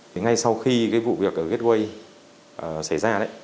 thì ngay sau khi cái vụ việc ở gateway xảy ra đấy